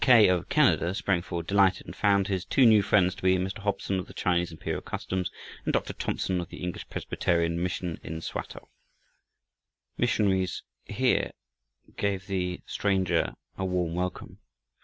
"Mackay of Canada," sprang forward delighted, and found his two new friends to be Mr. Hobson of the Chinese imperial customs, and Dr. Thompson of the English Presbyterian mission in Swatow. The missionaries here gave the stranger a warm welcome.